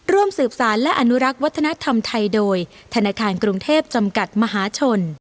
ร่วมสืบสารและอนุรักษ์วัฒนธรรมไทยโดยธนาคารกรุงเทพจำกัดมหาชน